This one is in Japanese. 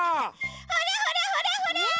ほらほらほらほら！